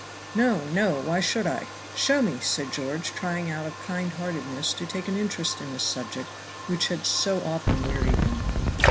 "No! no! why should I? Show me," said George, trying out of kindheartedness to take an interest in this subject, which had so often wearied him.